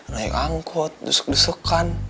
naik angkut dusuk dusukan